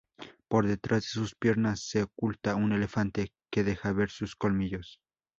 Por detrás de sus piernas se oculta un elefante que deja ver sus colmillos.